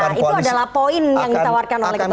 itu adalah poin yang ditawarkan oleh ketua umum anda